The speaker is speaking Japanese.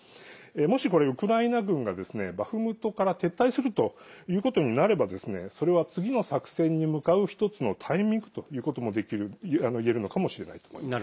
もし、ウクライナ軍がバフムトから撤退するということになればそれは次の作戦に向かう１つのタイミングといえるのかもしれないと思います。